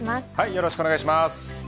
よろしくお願いします。